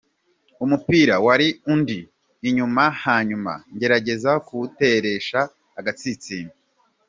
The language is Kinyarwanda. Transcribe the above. "Umupira wari undi inyuma hanyuma ngerageza kuwuteresha agatsinsino.